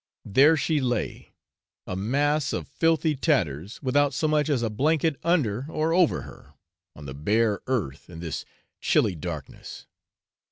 There she lay, a mass of filthy tatters, without so much as a blanket under or over her, on the bare earth in this chilly darkness.